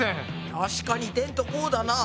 確かにテントこうだな。